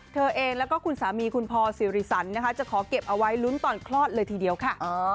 เธอเองแล้วก็คุณสามีคุณพอสิริสันนะคะจะขอเก็บเอาไว้ลุ้นตอนคลอดเลยทีเดียวค่ะ